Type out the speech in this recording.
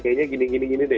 kayaknya gini gini deh